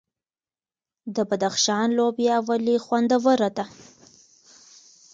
د بدخشان لوبیا ولې خوندوره ده؟